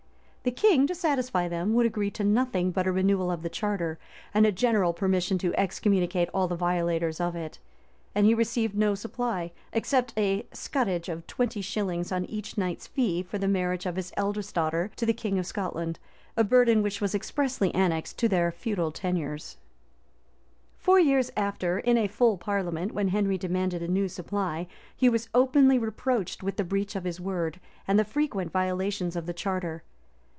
The king, to satisfy them, would agree to nothing but a renewal of the charter, and a general permission to excommunicate all the violators of it; and he received no supply, except a scutage of twenty shillings on each knight's fee for the marriage of his eldest daughter to the king of Scotland; a burden which was expressly annexed to their feudal tenures. * M. Paris, p. 432. Four years after, in a full parliament, when Henry demanded a new supply, he was openly reproached with the breach of his word, and the frequent violations of the charter.